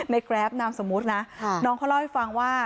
ในแกรปน้ำสมุทรนะน้องเขาเล่าให้ฟังว่า